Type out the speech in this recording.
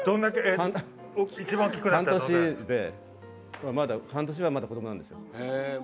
半年ではまだ子どもなんですよ。